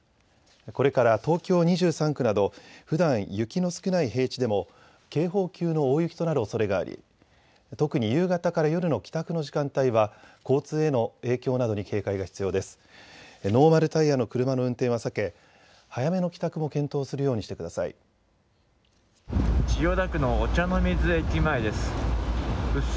これから東京２３区などふだん雪の少ない平地でも警報級の大雪となるおそれがあり特に夕方から夜の帰宅の時間帯は交通への影響などに警戒が必要です。